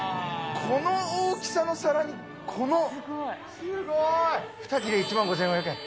この大きさの皿にこの２切れ１万５４００円。